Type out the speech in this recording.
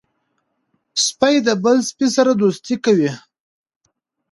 سپي د بل سپي سره دوستي کوي.